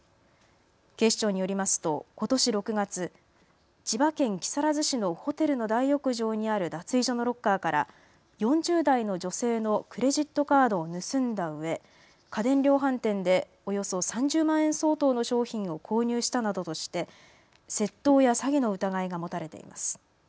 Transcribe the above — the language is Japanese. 警視庁によりますと、ことし６月、千葉県木更津市のホテルの大浴場にある脱衣所のロッカーから４０代の女性のクレジットカードを盗んだうえ家電量販店でおよそ３０万円相当の商品を購入したなどとして、窃盗や詐欺の疑いが持たれています。